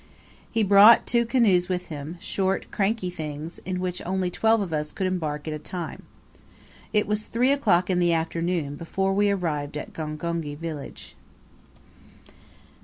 He brought two canoes with him, short, cranky things, in which only twelve of us could embark at a time. It was 3 o'clock in the afternoon before we arrived at Gongoni village.